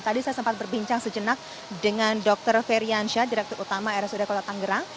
tadi saya sempat berbincang sejenak dengan dr feryansyah direktur utama rsud kota tanggerang